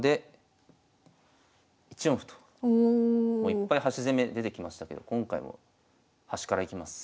いっぱい端攻め出てきましたけど今回も端からいきます。